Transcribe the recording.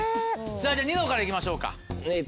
さぁじゃあニノから行きましょうか。